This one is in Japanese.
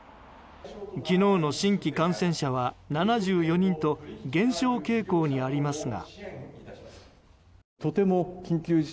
昨日の新規感染者は７４人と減少傾向にありますが。